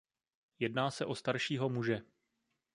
Jedná se o staršího muže.